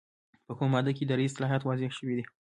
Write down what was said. په کومه ماده کې اداري اصلاحات واضح شوي دي؟